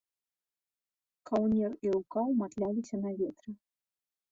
Каўнер і рукаў матляліся на ветры.